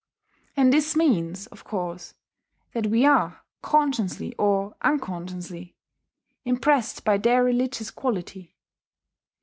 And this means, of course, that we are, consciously or unconsciously, impressed by their religious quality.